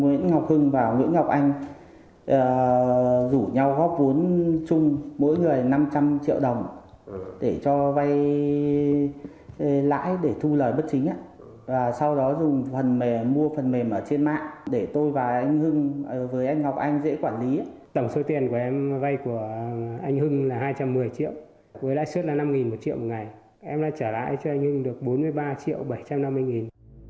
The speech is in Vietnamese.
em đã trả lại cho anh hưng được bốn mươi ba triệu bảy trăm năm mươi nghìn